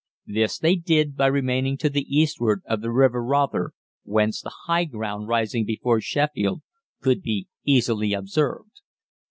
This they did by remaining to the eastward of the river Rother, whence the high ground rising before Sheffield could be easily observed.